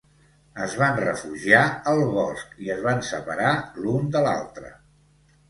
Es van refugiar al bosc, i es van separar l'un de l'altre.